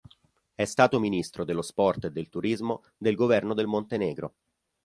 È stato ministro dello sport e del turismo del governo del Montenegro.